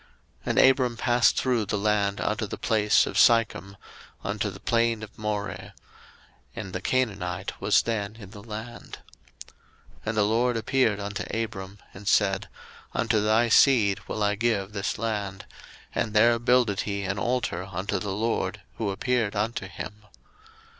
01:012:006 And Abram passed through the land unto the place of Sichem, unto the plain of Moreh. And the Canaanite was then in the land. 01:012:007 And the LORD appeared unto Abram, and said, Unto thy seed will I give this land: and there builded he an altar unto the LORD, who appeared unto him.